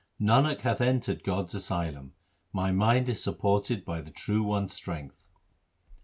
Nanak hath entered God's asylum; my mind is sup ported by the True One's strength.